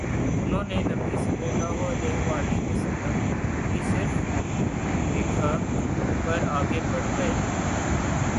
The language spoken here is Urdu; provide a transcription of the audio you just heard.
انھوں نے نبی صلی اللہ علیہ وسلم کی طرف دیکھا، پھر آگے بڑھ گئے